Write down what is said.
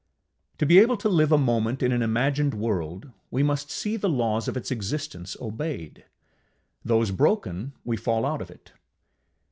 To be able to live a moment in an imagined world, we must see the laws of its existence obeyed. Those broken, we fall out of it.